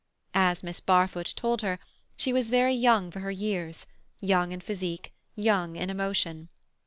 As Miss Barfoot told her, she was very young for her years, young in physique, young in emotion.